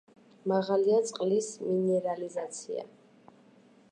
მაღალია წყლის მინერალიზაცია.